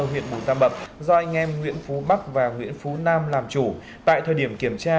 huyện bù tam bậm do anh em nguyễn phú bắc và nguyễn phú nam làm chủ tại thời điểm kiểm tra